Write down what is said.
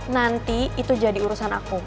nanti itu jadi urusan aku